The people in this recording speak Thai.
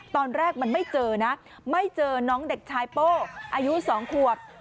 ตอนแรกมันไม่เจอนะไม่เจอน้องเด็กชายโป้อายุ๒ขวบ